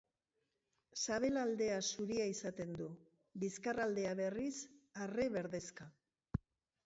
Sabelaldea zuria izaten du; bizkarraldea, berriz, arre berdexka.